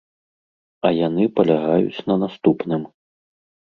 А яны палягаюць на наступным.